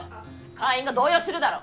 会員が動揺するだろ！